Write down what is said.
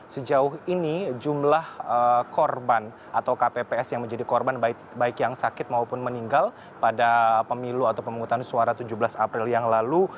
sejauh ini jumlah korban atau kpps yang menjadi korban baik yang sakit maupun meninggal pada pemilu atau pemungutan suara tujuh belas april yang lalu